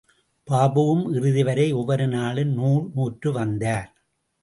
பாபுவும் இறுதிவரை ஒவ்வொரு நாளும் நூல் நூற்று வந்தார்.